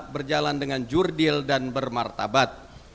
berjalan dengan jurdil dan bermartabat